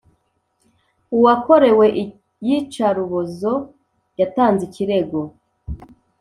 uwakorewe iyicarubuzo yatanze ikirego